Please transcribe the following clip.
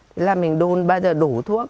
thế là mình đun bao giờ đủ thuốc